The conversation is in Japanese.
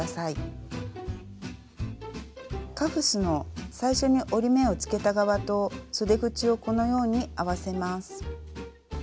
カフスの最初に折り目をつけた側とそで口をこのように合わせます。